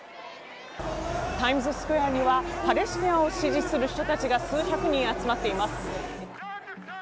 タイムズスクエアにはパレスチナを支持する人たちが数百人集まっています。